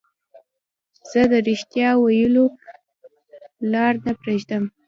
زه د رښتیاوو د ویلو لار نه پريږدم.